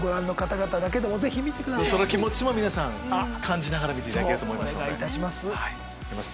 その気持ちも皆さん感じながら見ていただけると思いますので。